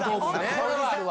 これはあるわ。